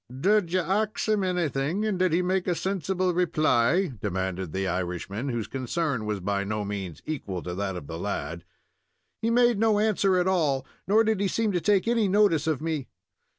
"Did ye ax him anything, and did he make a sensible reply?" demanded the Irishman, whose concern was by no means equal to that of the lad. "He made no answer at all, nor did he seem to take any notice of me."